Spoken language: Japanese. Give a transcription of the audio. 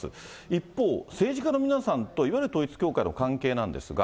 一方、政治家の皆さんと、いわゆる統一教会の関係なんですが。